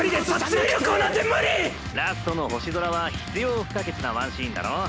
ラストの星空は必要不可欠な１シーンだろ？